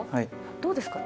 どうですか？